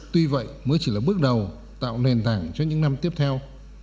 tuy vậy mới chỉ là bước đầu tạo nền tảng cho những năm tiếp theo